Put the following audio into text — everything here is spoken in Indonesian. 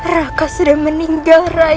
raka sudah meninggal rai